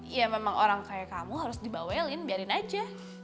ya memang orang kayak kamu harus dibawelin biarin aja